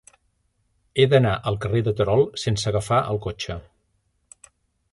He d'anar al carrer de Terol sense agafar el cotxe.